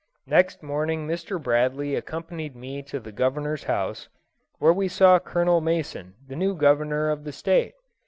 Next morning Mr. Bradley accompanied me to the Governor's house, where we saw Colonel Mason, the new governor of the State.